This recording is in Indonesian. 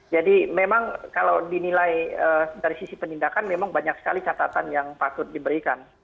jadi memang kalau dinilai dari sisi penindakan memang banyak sekali catatan yang patut diberikan